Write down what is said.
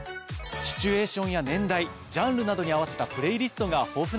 シチュエーションや年代ジャンルなどに合わせたプレイリストが豊富なんですよね。